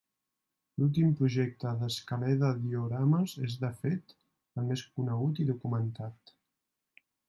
L'últim projecte d'Escaler de diorames, és de fet, el més conegut i documentat.